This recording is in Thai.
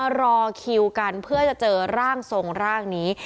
รอคิวกันเพื่อจะเจอร่างทรงร่างนี้